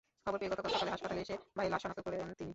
খবর পেয়ে গতকাল সকালে হাসপাতালে এসে ভাইয়ের লাশ শনাক্ত করেন তিনি।